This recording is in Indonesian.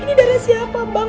ini darah siapa bang